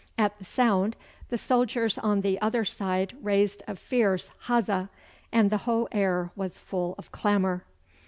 At the sound the soldiers on the other side raised a fierce huzza, and the whole air was full of clamour.